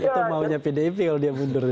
kita maunya pdip kalau dia mundur